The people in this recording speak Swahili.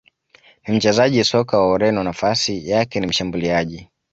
ni mchezaji soka wa Ureno nafasi yake ni Mshambuliaji